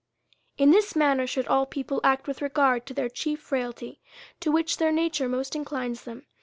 In this manner should all people act with regret to their chief 332 A SERIOUS CALL TO A frailty, to which their nature most inclines them.